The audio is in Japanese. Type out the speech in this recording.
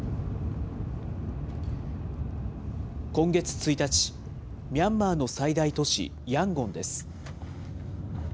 今月１日、ミャンマーの最大都市ヤンゴンです。